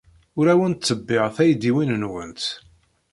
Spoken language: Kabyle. Ur awent-ttebbiɣ taydiwin-nwent.